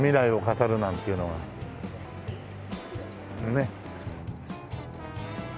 ねっ。